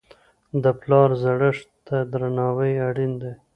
د پلار زړښت ته درناوی اړین دی.